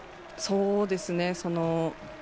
そうですね。